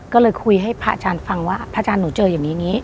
ก็เลยคุยให้พระอาจารย์ฟังว่าพระอาจารย์หนูเจออย่างนี้